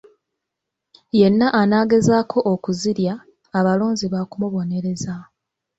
Yenna anaagezaako okuzirya, abalonzi baakumubonereza.